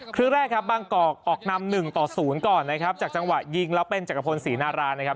ครึ่งแรกครับบางกอกออกนำหนึ่งต่อศูนย์ก่อนนะครับจากจังหวะยิงแล้วเป็นจักรพลศรีนารานะครับ